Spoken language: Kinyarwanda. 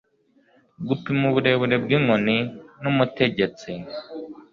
Gupima uburebure bw'inkoni n'umutegetsi.